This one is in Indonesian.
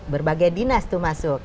berbagai dinas itu masuk